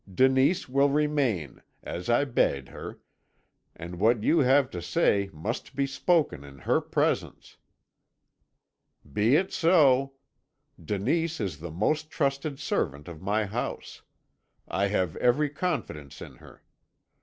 Denise will remain, as I bade her, and what you have to say must be spoken in her presence.' "'Be it so. Denise is the most trusted servant of my house; I have every confidence in her.